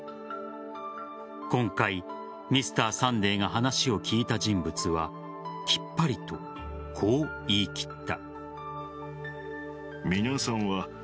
今回、「Ｍｒ．サンデー」が話を聞いた人物はきっぱりと、こう言い切った。